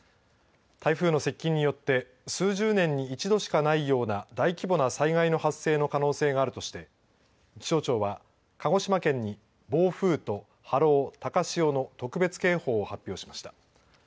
台風の接近によって数十年に一度しかないような大規模な災害の発生の可能性があるとして気象庁は、鹿児島県に暴風と波浪高潮の特別警報を発表しました。